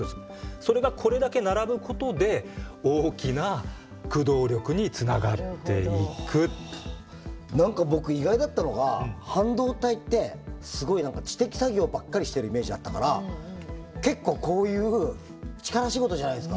それがこれだけ並ぶことで何か僕意外だったのが半導体ってすごい知的作業ばっかりしてるイメージあったから結構こういう力仕事じゃないですか。